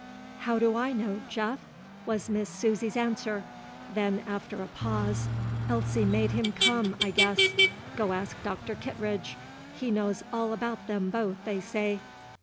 "How do I know, Jeff?" was Miss Susy's answer. Then, after a pause, "Elsie made him come, I guess. Go ask Dr. Kittredge; he knows all about 'em both, they say."